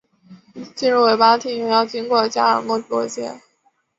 进入维巴庭园要经过加尔默罗街。